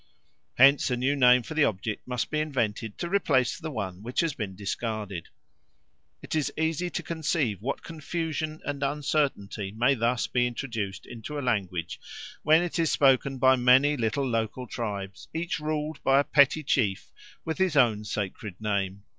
Hence a new name for the object must be invented to replace the one which has been discarded. It is easy to conceive what confusion and uncertainty may thus be introduced into a language when it is spoken by many little local tribes each ruled by a petty chief with his own sacred name.